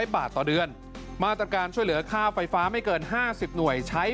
บาทต่อเดือนมาตรการช่วยเหลือค่าไฟฟ้าไม่เกิน๕๐หน่วยใช้